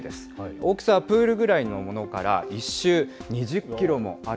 大きさはプールぐらいのものから、１周２０キロもある。